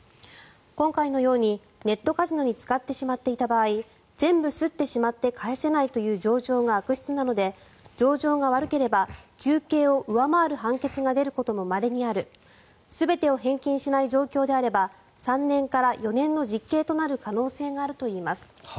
今回のようにネットカジノに使ってしまっていた場合全部すってしまって返せないという情状が悪質なので情状が悪ければ求刑を上回る判決が出ることもまれにある全てを返金しない状況であれば３年から４年の実刑となる可能性があるといいます。